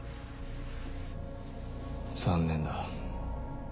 残念だ。